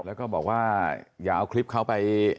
แล้วก็บอกว่าอย่าเอาคลิปเขาไป